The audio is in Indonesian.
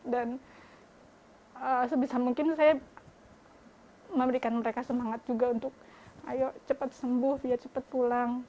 dan sebisa mungkin saya memberikan mereka semangat juga untuk ayo cepat sembuh sebetulang